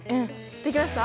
できました！